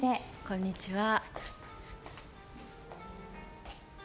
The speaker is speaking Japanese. こんにちは。